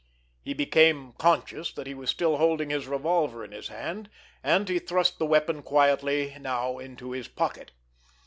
He became conscious that he was still holding his revolver in his hand, and he thrust the weapon quietly now into his pocket.